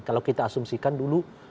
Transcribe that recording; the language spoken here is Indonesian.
kalau kita asumsikan dulu